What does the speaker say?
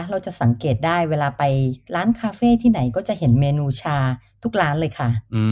เราจะสังเกตได้เวลาไปร้านคาเฟ่ที่ไหนก็จะเห็นเมนูชาทุกร้านเลยค่ะ